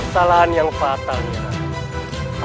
salahan yang fatalnya